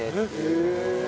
へえ。